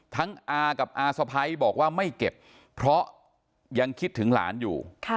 อากับอาสะพ้ายบอกว่าไม่เก็บเพราะยังคิดถึงหลานอยู่